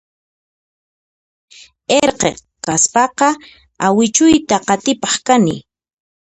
Irqi kaspaqa awichuyta qatipaq kani